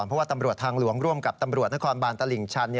เพราะว่าตำรวจทางหลวงร่วมกับตำรวจนครบานตลิ่งชัน